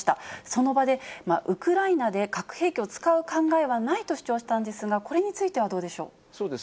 その場で、ウクライナで核兵器を使う考えはないと主張したんですが、これについてはどうでしょう。